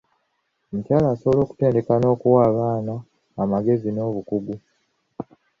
Omukyala asobola okutendeka n'okuwa abaana amagezi n'obukugu.